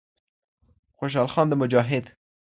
خوشال خان د مجاهد